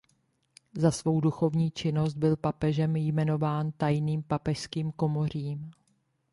Za svou duchovní činnost byl papežem jmenován tajným papežským komořím.